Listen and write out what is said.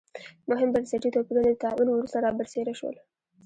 مهم بنسټي توپیرونه د طاعون وروسته را برسېره شول.